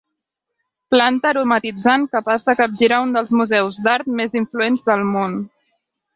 Planta aromatitzant capaç de capgirar un dels museus d'art més influents del món.